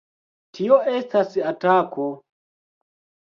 Tio estas atako!